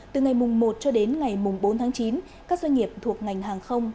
từ ngày mùng một cho đến ngày mùng bốn tháng chín các doanh nghiệp thuộc ngành hàng không